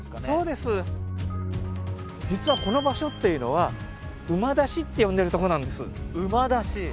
そうです実はこの場所っていうのは馬出しって呼んでるとこなんです馬出し？